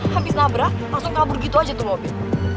habis nabrak langsung kabur gitu aja tuh mobil